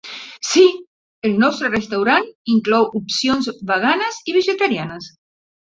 Sí, el nostre restaurant inclou opcions veganes i vegetarianes.